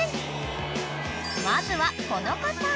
［まずはこの方］